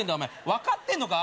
分かってんのか？